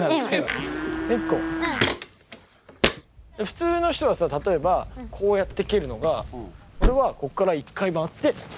普通の人はさ例えばこうやって蹴るのがおれはこっから１回回って。